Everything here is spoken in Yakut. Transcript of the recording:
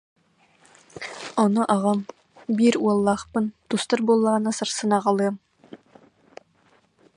Ону аҕам: «Биир уоллаахпын, тустар буоллаҕына сарсын аҕалыам»